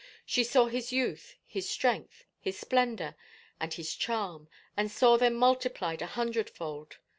She saw his youth, his strength, his splendor and his charm, and saw them multiplied a hundredfold.